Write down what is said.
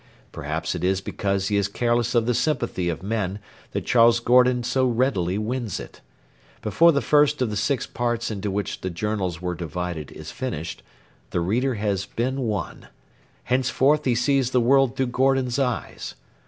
Perhaps it is because he is careless of the sympathy of men that Charles Gordon so readily wins it. Before the first of the six parts into which the Journals were divided is finished, the reader has been won. Henceforth he sees the world through Gordon's eyes.